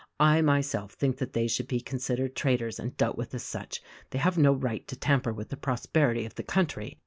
I myself think that they should be considered trait ors and dealt with as such ; they have no right to tamper with the prosperity of the country.